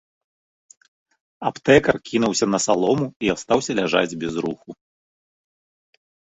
Аптэкар кінуўся на салому і астаўся ляжаць без руху.